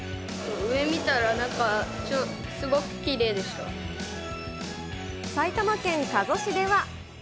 上見たらなんか、すごいきれ埼玉県加須市では。